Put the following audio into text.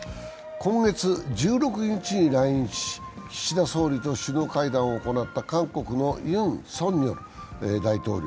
今月１６日に来日し、岸田総理と首脳会談を行った韓国のユン・ソンニョル大統領。